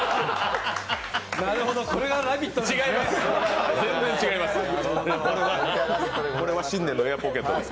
なるほど、これが「ラヴィット！」なんですね。